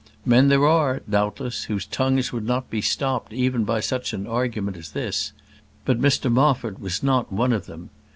Men there are, doubtless, whose tongues would not be stopped even by such an argument as this; but Mr Moffat was not one of them.